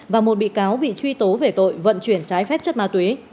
và một bị cáo bị truy tố về tội vận chuyển trái phép chất ma túy